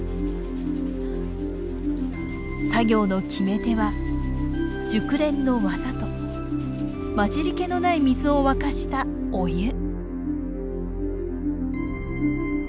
作業の決め手は熟練の技と混じりけのない水を沸かしたお湯。